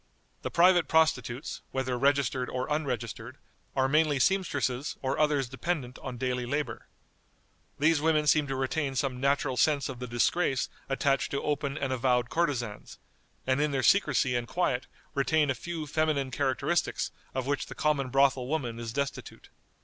The private prostitutes, whether registered or unregistered, are mainly seamstresses or others dependent upon daily labor. These women seem to retain some natural sense of the disgrace attached to open and avowed courtesans, and in their secrecy and quiet retain a few feminine characteristics of which the common brothel woman is destitute.